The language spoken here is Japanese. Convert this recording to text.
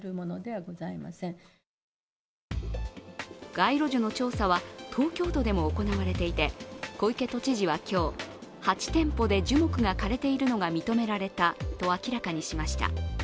街路樹の調査は東京都でも行われていて小池都知事は今日、８店舗で樹木が枯れているのが認められたと明らかにしました。